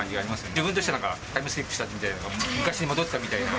自分としてはタイムスリップしたみたいな、昔に戻ったみたいな。